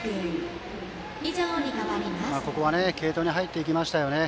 ここは継投に入っていきましたよね。